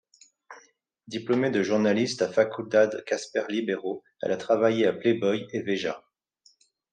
Diplômée de journalisme à Faculdade Cásper Líbero, elle a travaillé à Playboy et Veja.